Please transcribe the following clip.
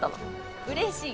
うれしい。